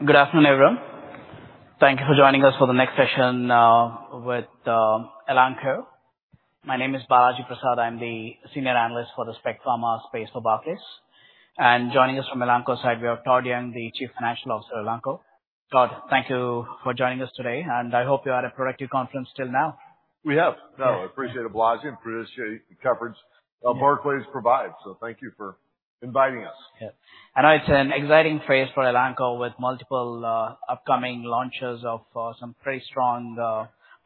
Good afternoon, everyone. Thank you for joining us for the next session with Elanco. My name is Balaji Prasad. I'm the senior analyst for the Spec Pharma space for Barclays. Joining us from Elanco side, we have Todd Young, the Chief Financial Officer of Elanco. Todd, thank you for joining us today, and I hope you had a productive conference till now. We have. No, I appreciate it, Balaji, and appreciate the coverage that Barclays provides, so thank you for inviting us. Yeah. I know it's an exciting phase for Elanco with multiple upcoming launches of some pretty strong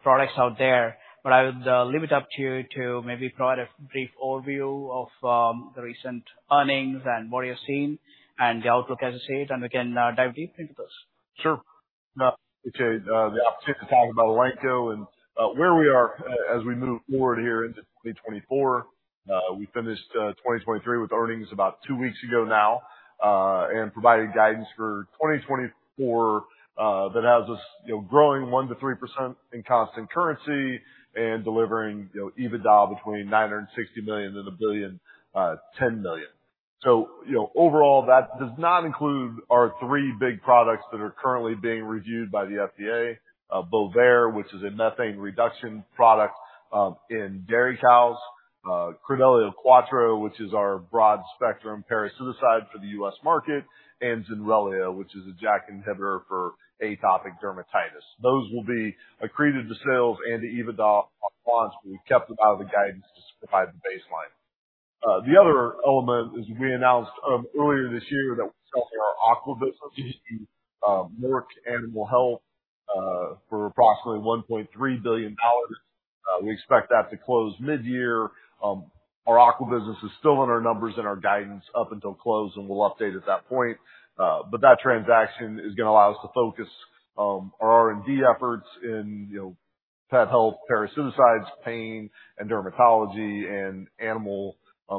products out there. But I would leave it up to you to maybe provide a brief overview of the recent earnings and what you're seeing, and the outlook as you see it, and we can dive deep into this. Sure. Now, okay, the opportunity to talk about Elanco and where we are as we move forward here into 2024. We finished 2023 with earnings about two weeks ago now and provided guidance for 2024 that has us, you know, growing 1%-3% in constant currency and delivering, you know, EBITDA between $960 million and $1.01 billion. So, you know, overall, that does not include our three big products that are currently being reviewed by the FDA. Bovaer, which is a methane reduction product in dairy cows. Credelio Quattro, which is our broad-spectrum parasiticide for the U.S. market. And Zenrelia, which is a JAK inhibitor for atopic dermatitis. Those will be accretive to sales and to EBITDA upon launch, but we kept them out of the guidance just to provide the baseline. The other element is we announced earlier this year that we're selling our Aqua business to Merck Animal Health for approximately $1.3 billion. We expect that to close mid-year. Our Aqua business is still in our numbers and our guidance up until close, and we'll update at that point. But that transaction is gonna allow us to focus our R&D efforts in, you know, pet health, parasiticides, pain, and dermatology, and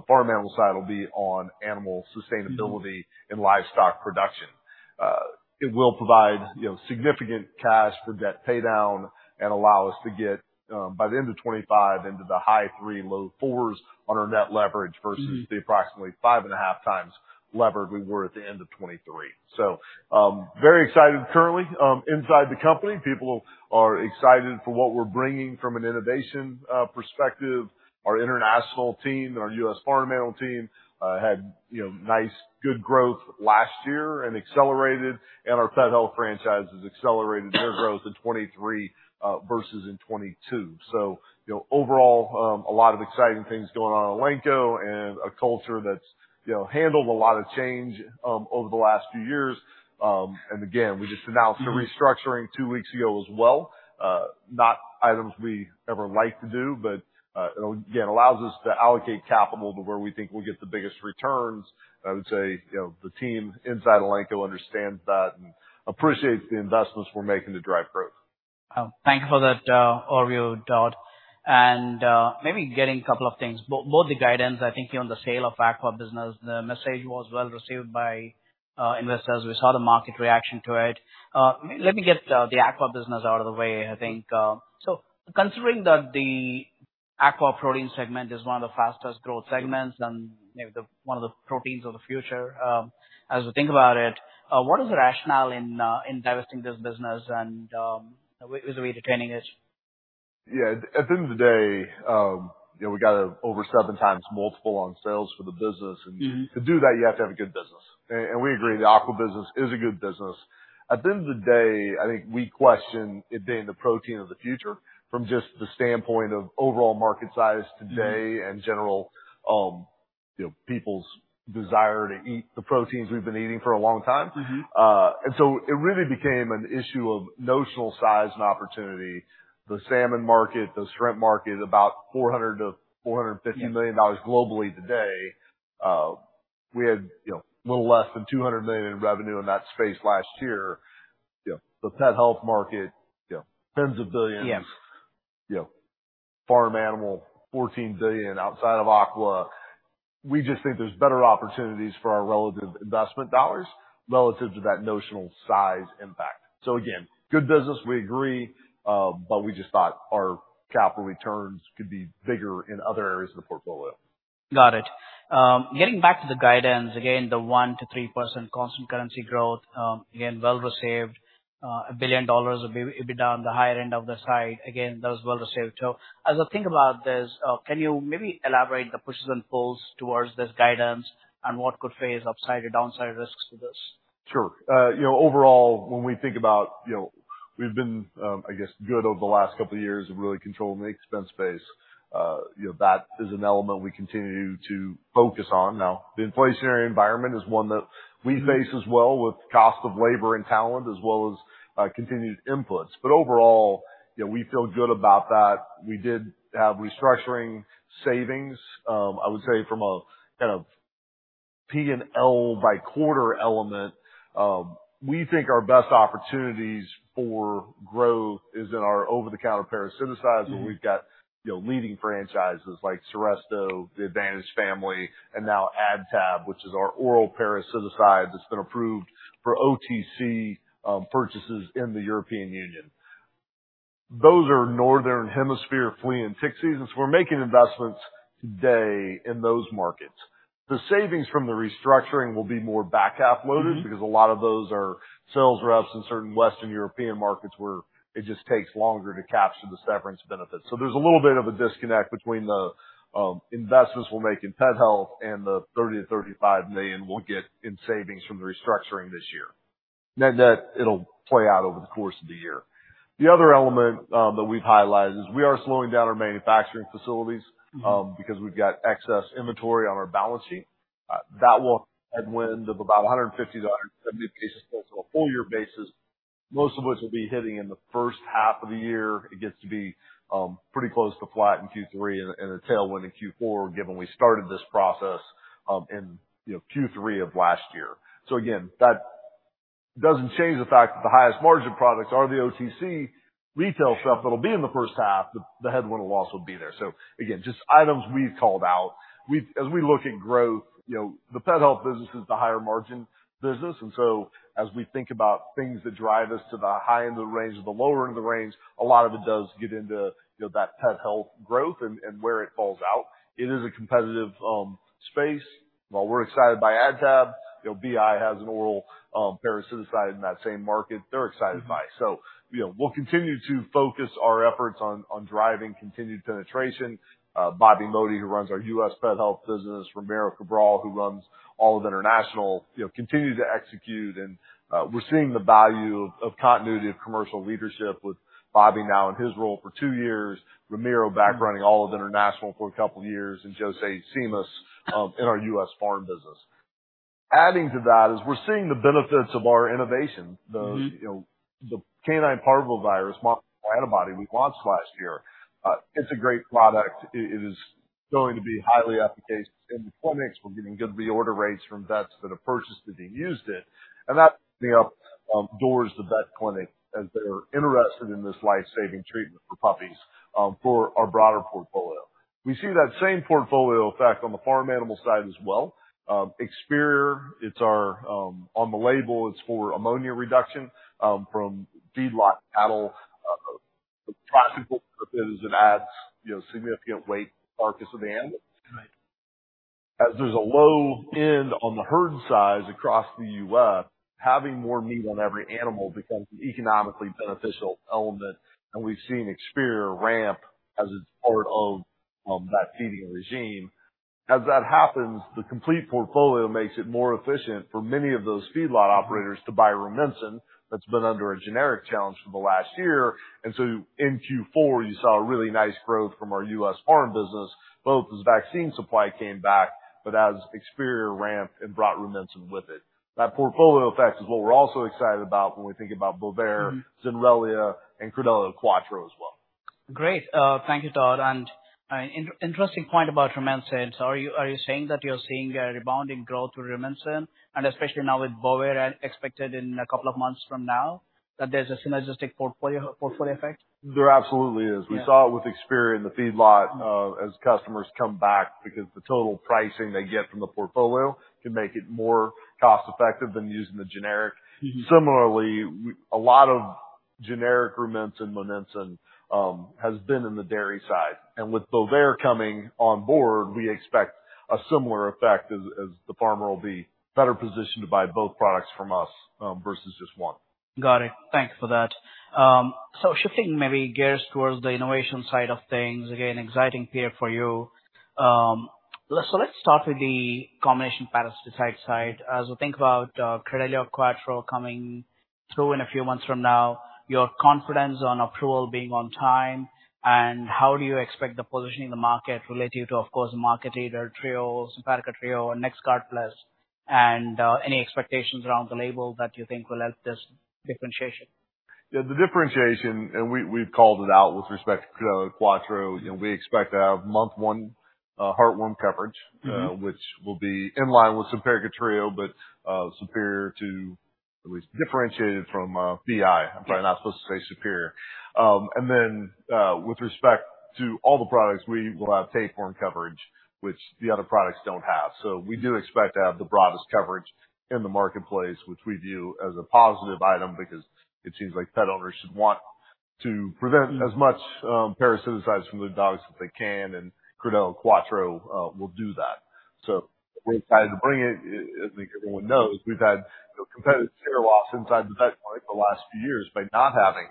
farm animal side will be on animal sustainability and livestock production. It will provide, you know, significant cash for debt paydown and allow us to get, by the end of 25, into the high three, low fours on our net leverage versus- Mm-hmm. - the approximately 5.5x leverage we were at the end of 2023. So, very excited currently. Inside the company, people are excited for what we're bringing from an innovation perspective. Our international team, our U.S. farm animal team, had, you know, nice, good growth last year and accelerated, and our pet health franchises accelerated their growth in 2023 versus in 2022. So, you know, overall, a lot of exciting things going on at Elanco and a culture that's, you know, handled a lot of change over the last few years. And again, we just announced- Mm-hmm. - a restructuring two weeks ago as well. Not items we ever like to do, but again, allows us to allocate capital to where we think we'll get the biggest returns. I would say, you know, the team inside Elanco understands that and appreciates the investments we're making to drive growth. Thank you for that overview, Todd. And maybe getting a couple of things. Both the guidance, I think, on the sale of the Aqua business, the message was well received by investors. We saw the market reaction to it. Let me get the Aqua business out of the way, I think. So considering that the Aqua protein segment is one of the fastest growth segments and maybe the one of the proteins of the future, as we think about it, what is the rationale in divesting this business and what is the way retaining it? Yeah, at the end of the day, you know, we got over 7x multiple on sales for the business- Mm-hmm. and to do that, you have to have a good business. And we agree, the Aqua business is a good business. At the end of the day, I think we question it being the protein of the future from just the standpoint of overall market size today. Mm-hmm. - and general, you know, people's desire to eat the proteins we've been eating for a long time. Mm-hmm. and so it really became an issue of notional size and opportunity. The salmon market, the shrimp market, about $400 million-$450- Yeah million globally today. We had, you know, a little less than $200 million in revenue in that space last year. You know, the pet health market, you know, tens of billions. Yeah. You know, farm animal, $14 billion outside of Aqua. We just think there's better opportunities for our relative investment dollars relative to that notional size impact. So again, good business, we agree, but we just thought our capital returns could be bigger in other areas of the portfolio. Got it. Getting back to the guidance, again, the 1%-3% constant currency growth, again, well received. A billion dollars EBITDA on the higher end of the side, again, that was well received. So as I think about this, can you maybe elaborate the pushes and pulls towards this guidance and what could face upside or downside risks to this? Sure. You know, overall, when we think about, you know, we've been, I guess, good over the last couple of years of really controlling the expense base. You know, that is an element we continue to focus on. Now, the inflationary environment is one that we face as well with cost of labor and talent, as well as, continued inputs. But overall, you know, we feel good about that. We did have restructuring savings. I would say from a, kind of, P&L by quarter element, we think our best opportunities for growth is in our over-the-counter parasiticides- Mm-hmm. where we've got, you know, leading franchises like Seresto, the Advantage family, and now AdTab, which is our oral parasiticides that's been approved for OTC purchases in the European Union.... Those are Northern Hemisphere flea and tick seasons. We're making investments today in those markets. The savings from the restructuring will be more back-half loaded, because a lot of those are sales reps in certain Western European markets, where it just takes longer to capture the severance benefits. So there's a little bit of a disconnect between the investments we'll make in pet health and the $30 million-$35 million we'll get in savings from the restructuring this year. Then that, it'll play out over the course of the year. The other element that we've highlighted is we are slowing down our manufacturing facilities because we've got excess inventory on our balance sheet. That will headwind of about 150-170 basis points on a full year basis, most of which will be hitting in the first half of the year. It gets to be pretty close to flat in Q3 and, and a tailwind in Q4, given we started this process in, you know, Q3 of last year. So again, that doesn't change the fact that the highest margin products are the OTC retail stuff that'll be in the first half, the, the headwind loss will be there. So again, just items we've called out. We've as we look at growth, you know, the pet health business is the higher margin business, and so as we think about things that drive us to the high end of the range or the lower end of the range, a lot of it does get into, you know, that pet health growth and, and where it falls out. It is a competitive space. While we're excited by AdTab, you know, BI has an oral parasiticide in that same market they're excited by. So, you know, we'll continue to focus our efforts on, on driving continued penetration. Bobby Modi, who runs our U.S. pet health business, Ramiro Cabral, who runs all of international, you know, continue to execute. And, we're seeing the value of continuity of commercial leadership with Bobby now in his role for two years, Ramiro back running all of international for a couple years, and José Simas in our U.S. farm business. Adding to that, is we're seeing the benefits of our innovation. Mm-hmm. You know, the Canine Parvovirus Monoclonal Antibody we launched last year. It's a great product. It is going to be highly efficacious in the clinics. We're getting good reorder rates from vets that have purchased it and used it, and that, you know, opens the doors to the vet clinic, as they're interested in this life-saving treatment for puppies, for our broader portfolio. We see that same portfolio effect on the farm animal side as well. Experior, it's our, on the label, it's for ammonia reduction, from feedlot cattle. The practical benefit is it adds, you know, significant weight at markets at the end. Right. As there's a low end on the herd size across the U.S., having more meat on every animal becomes an economically beneficial element, and we've seen Experior ramp as it's part of that feeding regime. As that happens, the complete portfolio makes it more efficient for many of those feedlot operators to buy Rumensin. That's been under a generic challenge for the last year. So in Q4, you saw a really nice growth from our U.S. farm business, both as vaccine supply came back, but as Experior ramped and brought Rumensin with it. That portfolio effect is what we're also excited about when we think about Bovaer, Zenrelia, and Credelio Quattro as well. Great. Thank you, Todd. Interesting point about Rumensin. Are you saying that you're seeing a rebounding growth to Rumensin, and especially now with Bovaer expected in a couple of months from now, that there's a synergistic portfolio effect? There absolutely is. Yeah. We saw it with Experior in the feedlot, as customers come back because the total pricing they get from the portfolio can make it more cost-effective than using the generic. Mm-hmm. Similarly, with a lot of generic Rumensin and monensin has been in the dairy side, and with Bovaer coming on board, we expect a similar effect as the farmer will be better positioned to buy both products from us versus just one. Got it. Thank you for that. So shifting maybe gears towards the innovation side of things, again, exciting period for you. Let's start with the combination parasiticide side. As we think about Credelio Quattro coming through in a few months from now, your confidence on approval being on time, and how do you expect the positioning in the market relative to, of course, the market leader, Trio, Simparica Trio and NexGard Plus, and any expectations around the label that you think will help this differentiation? Yeah, the differentiation, and we, we've called it out with respect to Quattro, you know, we expect to have month one heartworm coverage- Mm-hmm. which will be in line with Simparica Trio, but, superior to, at least differentiated from, BI. I'm probably not supposed to say superior. And then, with respect to all the products, we will have tapeworm coverage, which the other products don't have. So we do expect to have the broadest coverage in the marketplace, which we view as a positive item, because it seems like pet owners should want to prevent as much, parasiticides from their dogs as they can, and Credelio Quattro, will do that. So we're excited to bring it. I think everyone knows, we've had competitive share loss inside the vet clinic the last few years by not having,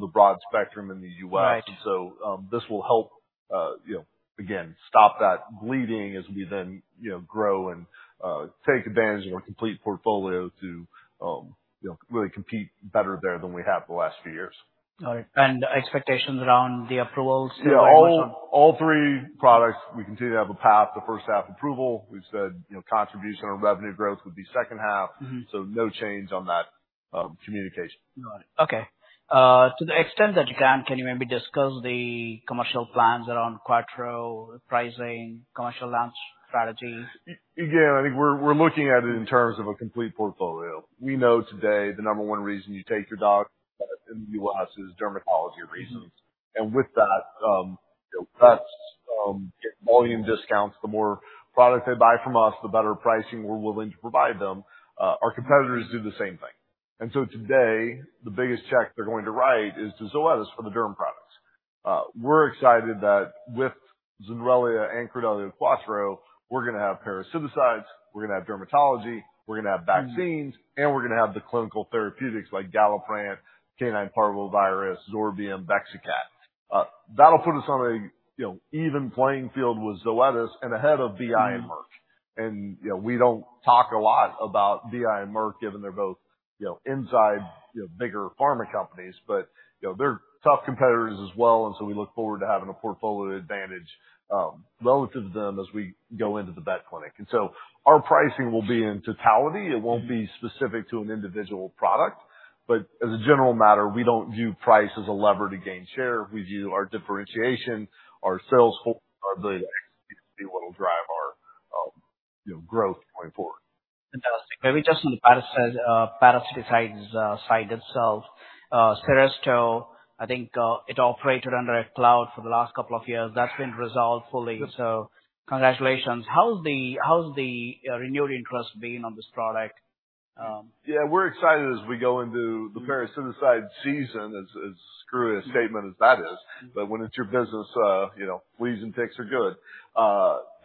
the broad spectrum in the U.S. Right. This will help, you know, again, stop that bleeding as we then, you know, grow and take advantage of our complete portfolio to, you know, really compete better there than we have the last few years. All right. And expectations around the approvals? Yeah, all three products, we continue to have a path to first-half approval. We've said, you know, contribution on revenue growth would be second half. Mm-hmm. No change on that, communication. Got it. Okay. To the extent that you can, can you maybe discuss the commercial plans around Quattro pricing, commercial launch strategy? Yeah, again, I think we're looking at it in terms of a complete portfolio. We know today the number one reason you take your dog to the vet is dermatology reasons. Mm-hmm. And with that, you know, get volume discounts. The more product they buy from us, the better pricing we're willing to provide them. Our competitors do the same thing. And so today, the biggest check they're going to write is to Zoetis for the derm products. We're excited that with Zenrelia and Credelio Quattro, we're gonna have parasiticides, we're gonna have dermatology, we're gonna have vaccines, and we're gonna have the clinical therapeutics like Galliprant, Canine Parvovirus, Zorvium, Bexacat. That'll put us on a, you know, even playing field with Zoetis and ahead of BI and Merck. You know, we don't talk a lot about BI and Merck, given they're both, you know, inside, you know, bigger pharma companies, but, you know, they're tough competitors as well, and so we look forward to having a portfolio advantage relative to them as we go into the vet clinic. So our pricing will be in totality. It won't be specific to an individual product, but as a general matter, we don't view price as a lever to gain share. We view our differentiation, our sales, our ability to be what will drive our, you know, growth going forward. Fantastic. Maybe just on the parasiticides side itself, Seresto, I think, it operated under a cloud for the last couple of years. That's been resolved fully. Good. Congratulations. How's the renewed interest been on this product? Yeah, we're excited as we go into the parasiticide season, as screwy a statement as that is. But when it's your business, you know, fleas and ticks are good.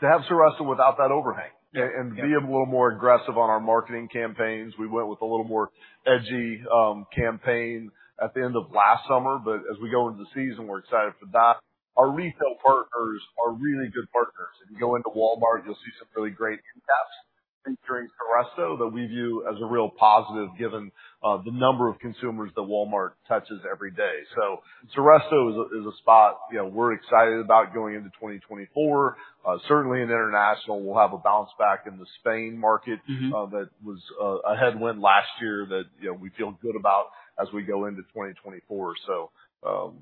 To have Seresto without that overhang- Yeah. and be a little more aggressive on our marketing campaigns, we went with a little more edgy campaign at the end of last summer, but as we go into the season, we're excited for that. Our retail partners are really good partners. If you go into Walmart, you'll see some really great end caps featuring Seresto, that we view as a real positive, given the number of consumers that Walmart touches every day. So Seresto is a spot, you know, we're excited about going into 2024. Certainly in international, we'll have a bounce back in the Spain market- Mm-hmm. that was a headwind last year that, you know, we feel good about as we go into 2024. So,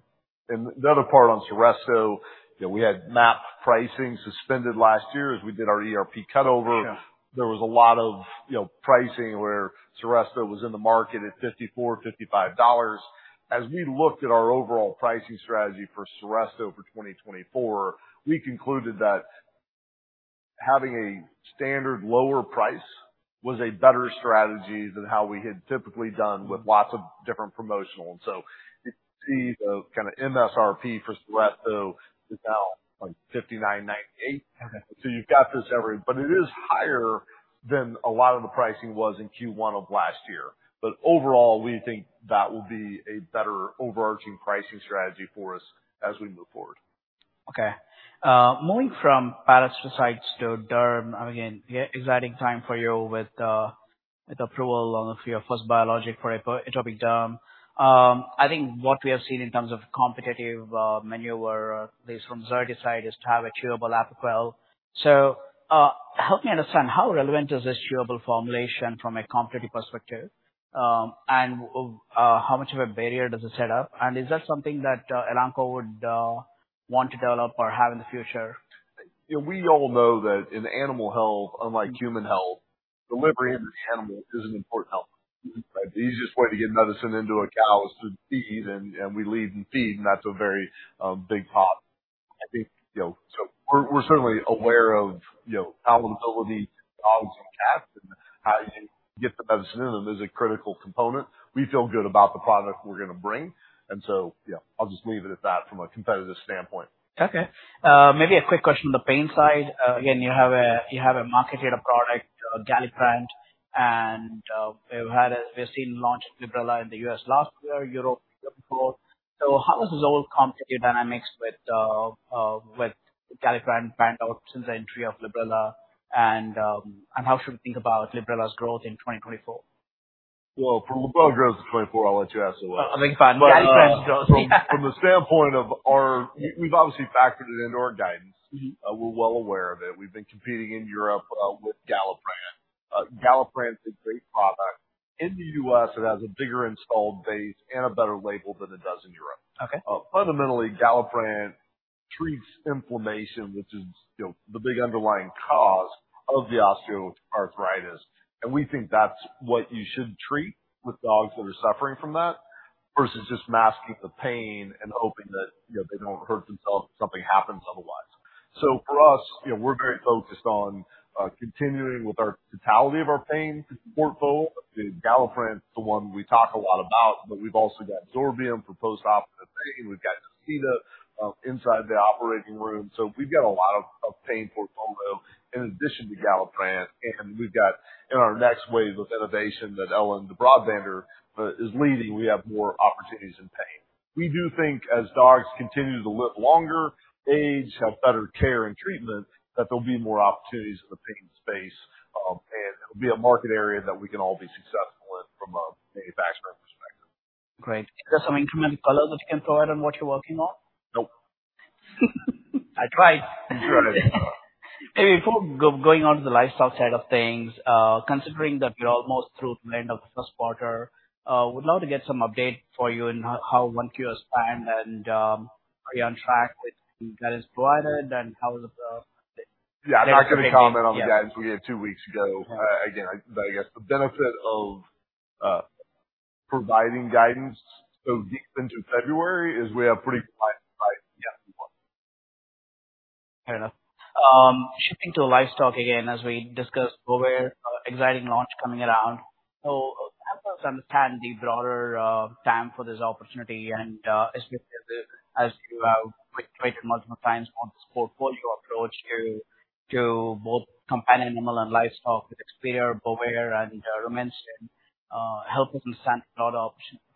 and the other part on Seresto, you know, we had MAP pricing suspended last year as we did our ERP cutover. Yeah. There was a lot of, you know, pricing where Seresto was in the market at $54-$55. As we looked at our overall pricing strategy for Seresto for 2024, we concluded that having a standard lower price was a better strategy than how we had typically done with lots of different promotional. And so you see the kind of MSRP for Seresto is now, like, $59.98. Okay. So you've got this. But it is higher than a lot of the pricing was in Q1 of last year. But overall, we think that will be a better overarching pricing strategy for us as we move forward. Okay. Moving from parasiticides to derm, again, yeah, exciting time for you with approval on your first biologic for atopic derm. I think what we have seen in terms of competitive maneuver, at least from Zoetis, is to have a chewable Apoquel. So, help me understand, how relevant is this chewable formulation from a competitive perspective? And, how much of a barrier does it set up? And is that something that Elanco would want to develop or have in the future? You know, we all know that in animal health, unlike human health, delivery into the animal is an important element. Mm-hmm. The easiest way to get medicine into a cow is through feed, and we lead and feed, and that's a very big pop. I think, you know, so we're certainly aware of, you know, palatability in dogs and cats and how you get the medicine in them is a critical component. We feel good about the product we're going to bring, and so, you know, I'll just leave it at that from a competitive standpoint. Okay. Maybe a quick question on the pain side. Again, you have a marketed product, Galliprant, and we've seen launch Librela in the U.S. last year, Europe the year before. So how is this whole competitive dynamics with Galliprant playing out since the entry of Librela, and how should we think about Librela's growth in 2024? Well, from Librela growth in 2024, I'll let you ask someone else. I mean, fine. From the standpoint of our... We, we've obviously factored it into our guidance. Mm-hmm. We're well aware of it. We've been competing in Europe with Galliprant. Galliprant's a great product. In the U.S., it has a bigger installed base and a better label than it does in Europe. Okay. Fundamentally, Galliprant treats inflammation, which is, you know, the big underlying cause of the osteoarthritis. And we think that's what you should treat with dogs that are suffering from that, versus just masking the pain and hoping that, you know, they don't hurt themselves if something happens otherwise. So for us, you know, we're very focused on continuing with our totality of our pain portfolio. The Galliprant is the one we talk a lot about, but we've also got Zorvium for post-operative pain. We've got Nocita inside the operating room. So we've got a lot of pain portfolio in addition to Galliprant, and we've got in our next wave of innovation that Ellen de Brabander is leading, we have more opportunities in pain. We do think as dogs continue to live longer, age, have better care and treatment, that there'll be more opportunities in the pain space, and it'll be a market area that we can all be successful in from a facts perspective. Great. Is there some incremental color that you can provide on what you're working on? Nope. I tried! Sure. Maybe before going on to the lifestyle side of things, considering that you're almost through the end of the first quarter, would love to get some update for you on how one quarter has planned and, are you on track with guidance provided, and how is the, Yeah, I'm not going to comment on the guidance we gave two weeks ago. Again, I guess the benefit of providing guidance so deep into February is we have pretty compliant supply. Yes, we will. Fair enough. Shifting to livestock again, as we discussed, Bovaer, exciting launch coming around. So help us understand the broader time for this opportunity and, especially as you have reiterated multiple times on this portfolio approach to both companion animal and livestock, it's clear Bovaer and Rumensin, help us understand the broader opportunity.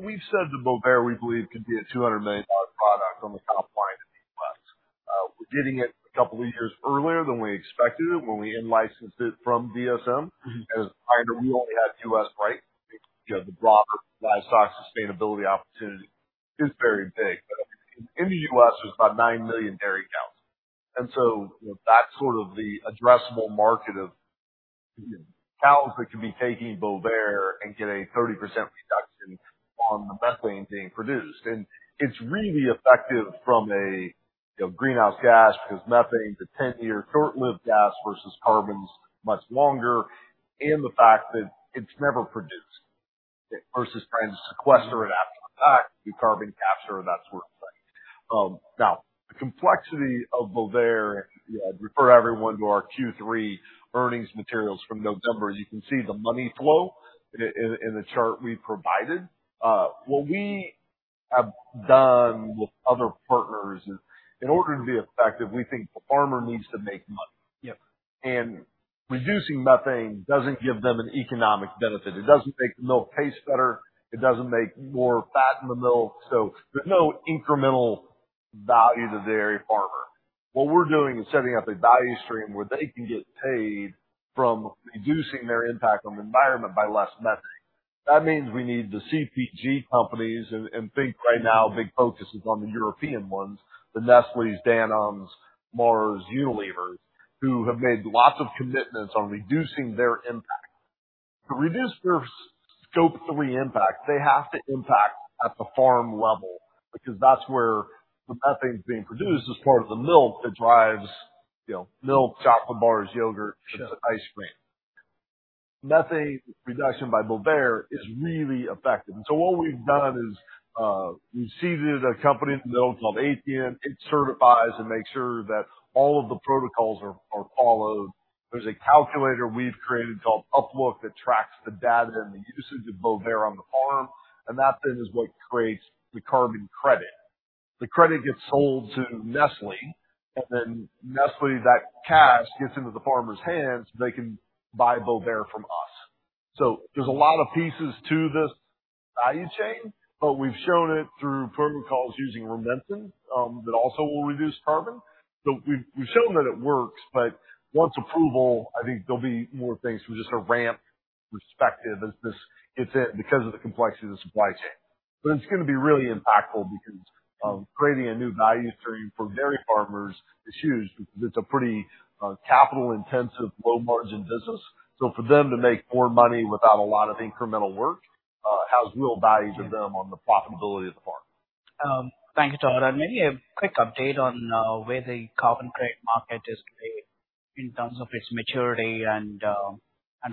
We've said that Bovaer, we believe, could be a $200 million product on the top line in the U.S. We're getting it a couple of years earlier than we expected it when we in-licensed it from DSM. Mm-hmm. As I know, we only have U.S. rights. You know, the broader livestock sustainability opportunity is very big, but in the U.S., there's about 9 million dairy cows. And so, you know, that's sort of the addressable market of, you know, cows that can be taking Bovaer and get a 30% reduction on the methane being produced. And it's really effective from a, you know, greenhouse gas, because methane is a 10-year short-lived gas versus carbon's much longer, and the fact that it's never produced versus trying to sequester it after the fact, do carbon capture and that sort of thing. Now, the complexity of Bovaer, you know, I'd refer everyone to our Q3 earnings materials from November. You can see the money flow in the chart we provided. What we have done with other partners is, in order to be effective, we think the farmer needs to make money. Yep. Reducing methane doesn't give them an economic benefit. It doesn't make the milk taste better. It doesn't make more fat in the milk, so there's no incremental value to the dairy farmer. What we're doing is setting up a value stream where they can get paid from reducing their impact on the environment by less methane. That means we need the CPG companies and think right now, big focus is on the European ones, the Nestlé, Danone, Mars, Unilever, who have made lots of commitments on reducing their impact. To reduce their Scope 3 impact, they have to impact at the farm level, because that's where the methane's being produced as part of the milk that drives, you know, milk, chocolate bars, yogurt- Sure. - ice cream. Methane reduction by Bovaer is really effective. And so what we've done is, we've seeded a company in the middle called Athian. It certifies and makes sure that all of the protocols are followed. There's a calculator we've created called UpLook, that tracks the data and the usage of Bovaer on the farm, and that then is what creates the carbon credit. The credit gets sold to Nestlé, and then Nestlé, that cash gets into the farmer's hands, they can buy Bovaer from us. So there's a lot of pieces to this value chain, but we've shown it through protocols using Rumensin, that also will reduce carbon. So we've shown that it works, but once approval, I think there'll be more things from just a ramp perspective as this gets in, because of the complexity of the supply chain. But it's gonna be really impactful because, creating a new value stream for dairy farmers is huge, because it's a pretty, capital-intensive, low-margin business. So for them to make more money without a lot of incremental work, has real value to them on the profitability of the farm. Thank you, Todd. Maybe a quick update on where the carbon credit market is today, in terms of its maturity and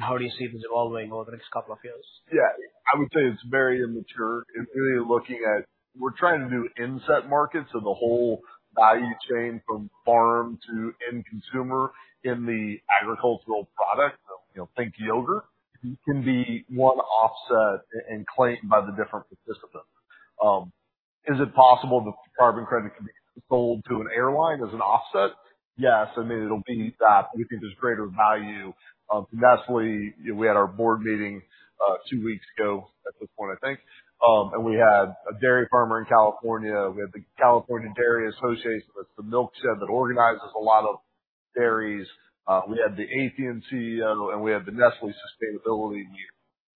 how do you see this evolving over the next couple of years? Yeah, I would say it's very immature. And really looking at, we're trying to do inset markets, so the whole value chain from farm to end consumer in the agricultural product, you know, think yogurt, can be one offset and claimed by the different participants. Is it possible the carbon credit can be sold to an airline as an offset? Yes, I mean, it'll be that. We think there's greater value. Nestlé, we had our board meeting, two weeks ago at this point, I think, and we had a dairy farmer in California. We had the California Dairy Association, that's the milk shed that organizes a lot of dairies. We had the Athian CEO, and we had the Nestlé sustainability lead,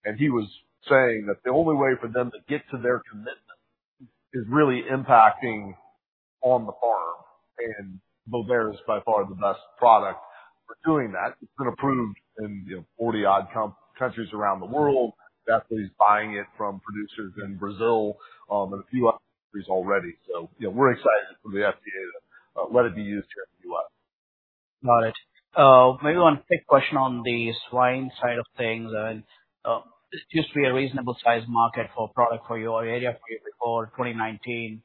and he was saying that the only way for them to get to their commitment is really impacting on the farm, and Bovaer is by far the best product for doing that. It's been approved in, you know, 40-odd countries around the world. Nestlé's buying it from producers in Brazil, and a few other countries already. So, you know, we're excited for the FDA to let it be used here in the U.S. Got it. Maybe one quick question on the swine side of things. And, this used to be a reasonable-sized market for product for you, or area for you before 2019,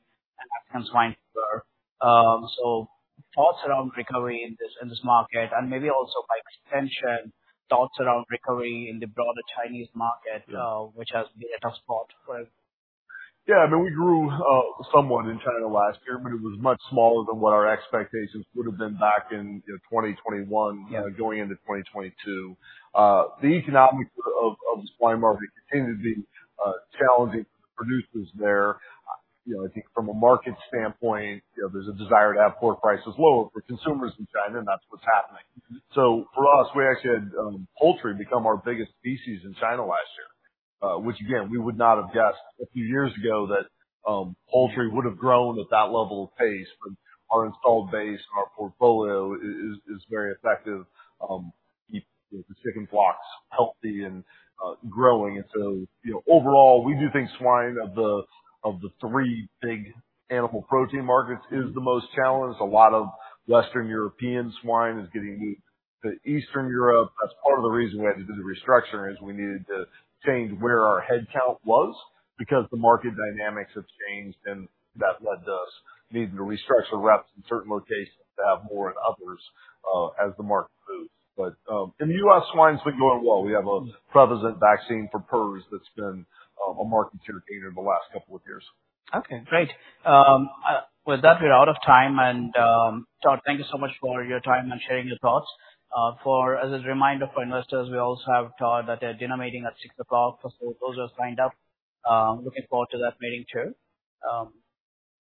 and swine fever. So thoughts around recovery in this, in this market, and maybe also by extension, thoughts around recovery in the broader Chinese market. Yeah. - which has been a tough spot for it? Yeah, I mean, we grew somewhat in China last year, but it was much smaller than what our expectations would have been back in, you know, 2021- Yeah. Going into 2022. The economics of, of the swine market continue to be, challenging for producers there. You know, I think from a market standpoint, you know, there's a desire to have pork prices lower for consumers in China, and that's what's happening. So for us, we actually had, poultry become our biggest species in China last year. Which again, we would not have guessed a few years ago that, poultry would have grown at that level of pace. But our installed base, our portfolio is, is, is very effective, keep the chicken flocks healthy and, growing. And so, you know, overall, we do think swine, of the, of the three big animal protein markets, is the most challenged. A lot of Western Europe swine is getting meat to Eastern Europe. That's part of the reason we had to do the restructuring, is we needed to change where our headcount was, because the market dynamics have changed, and that led to us needing to restructure reps in certain locations to have more in others, as the market moves. But, in the U.S., swine's been doing well. We have a prevalent vaccine for PRRS that's been a market innovator in the last couple of years. Okay, great. With that, we're out of time, and, Todd, thank you so much for your time and sharing your thoughts. As a reminder for investors, we also have, Todd, that there's a dinner meeting at 6:00 P.M. for those who are signed up. Looking forward to that meeting, too.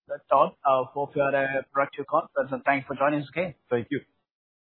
That's all. Hope you had a productive call, and thanks for joining us again. Thank you.